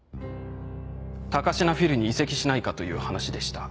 高階フィルに移籍しないかという話でした。